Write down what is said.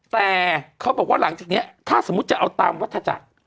แต่เขาบอกว่าหลังจากนี้ถ้าสมมุติจะเอาตามวัฒนาจักร